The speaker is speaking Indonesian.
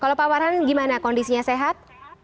kalau pak farhan gimana kondisinya sehat